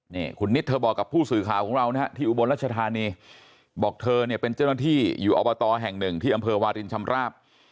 นี่คุณนิดเธอบอกกับผู้สื่อข่าวของเรานะฮะที่อุบลรัชธานีบอกเธอเนี่ยเป็นเจ้าหน้าที่อยู่อบตแห่งหนึ่งที่อำเภอวารินชำราบ